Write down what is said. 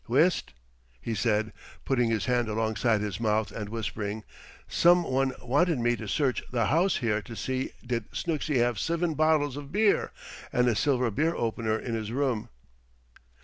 Whist!" he said, putting his hand alongside his mouth and whispering: "Some wan wanted me t' search th' house here t' see did Snooksy have sivin bottles iv beer an' a silver beer opener in his room."